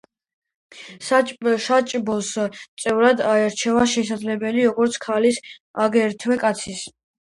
საბჭოს წევრად არჩევა შეიძლებოდა, როგორც ქალის, აგრეთვე კაცის.